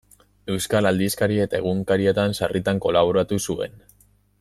Euskal aldizkari eta egunkarietan sarritan kolaboratu zuen.